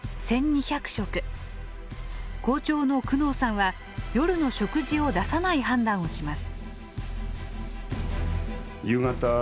校長の久能さんは夜の食事を出さない判断をします。